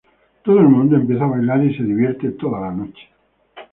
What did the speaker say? Todo el mundo empieza a bailar y se divierte toda la noche.